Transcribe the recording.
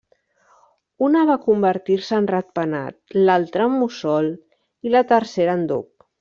Una va convertir-se en ratpenat, l'altra en mussol i la tercera en duc.